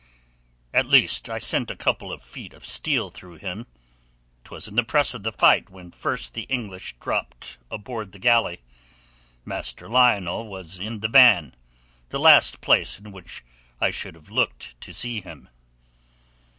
"At least I sent a couple of feet of steel through him—'twas in the press of the fight when first the English dropped aboard the galley; Master Lionel was in the van—the last place in which I should have looked to see him."